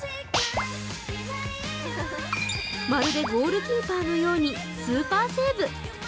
まるでゴールキーパーのようにスーパーセーブ。